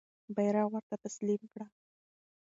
بیرغ ورته تسلیم کړه.